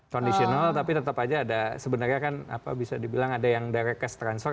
kondisional tapi tetap aja ada sebenarnya kan apa bisa dibilang ada yang direct cash transfer